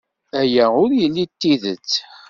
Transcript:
Aya ur yelli d tidet.